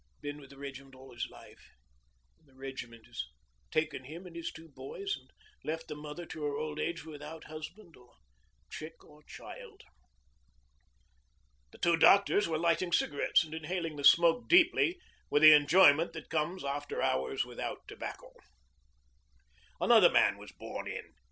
Been with the Regiment all his life; and the Regiment has taken him and his two boys, and left the mother to her old age without husband or chick or child.' The two doctors were lighting cigarettes and inhaling the smoke deeply, with the enjoyment that comes after hours without tobacco. Another man was borne in.